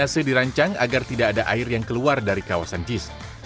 dan kursi nase dirancang agar tidak ada air yang keluar dari kawasan jis